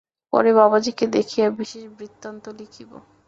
পরে বাবাজীকে দেখিয়া বিশেষ বৃত্তান্ত লিখিব।